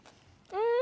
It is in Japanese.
うん！